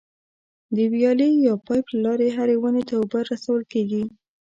د ویالې یا پایپ له لارې هرې ونې ته اوبه رسول کېږي.